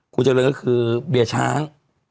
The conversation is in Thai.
คุณเจริญก็คือเบียร์ช้าง